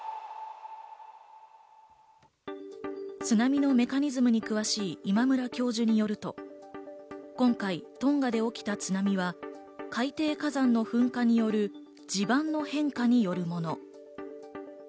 津波のメカニズムに詳しい今村教授によると、今回、トンガで起きた津波は海底火山の噴火による地盤の変化によるもの。